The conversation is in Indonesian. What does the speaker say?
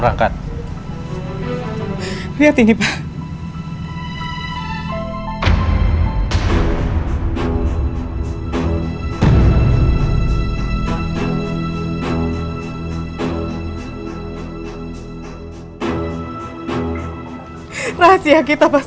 rahasia kita pastikan ga lama lagi kebongkar pak